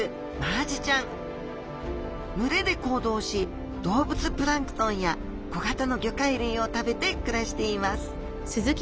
群れで行動し動物プランクトンや小型の魚介類を食べて暮らしています